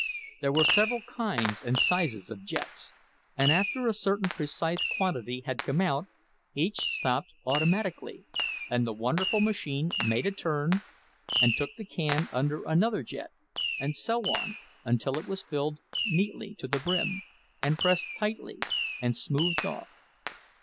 There were several kinds and sizes of jets, and after a certain precise quantity had come out, each stopped automatically, and the wonderful machine made a turn, and took the can under another jet, and so on, until it was filled neatly to the brim, and pressed tightly, and smoothed off.